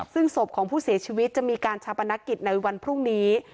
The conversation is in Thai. ซึ่งศพของผู้เสียชีวิตจะมีการชาปนกิจในวันพรุ่งนี้